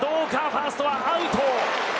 ファーストはアウト。